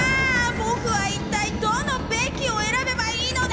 ボクは一体どの「べき」をえらべばいいのだ！？